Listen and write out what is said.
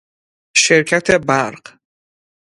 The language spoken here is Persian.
شرکت برق